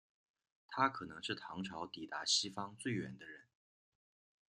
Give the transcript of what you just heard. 他可能是唐朝抵达西方最远的人。